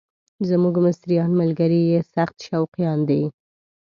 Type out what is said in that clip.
زموږ مصریان ملګري یې سخت شوقیان دي.